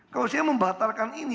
kalau saya membatalkan ini